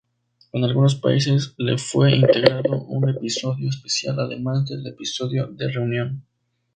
En algunos países le fue integrado un episodio especial, además del episodio de reunión.